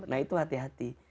nah itu hati hati